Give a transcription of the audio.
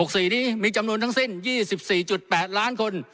สีนี้มีจำนวนทั้งสิ้น๒๔๘ล้านคน